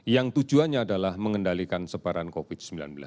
yang tujuannya adalah mengendalikan sebaran covid sembilan belas